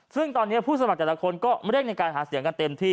ซึ่งตอนนี้ผู้สมัครแต่ละคนก็เร่งในการหาเสียงกันเต็มที่